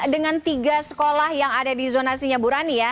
dengan tiga sekolah yang ada di zonasinya burani ya